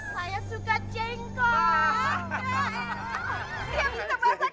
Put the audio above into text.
saya suka jengkok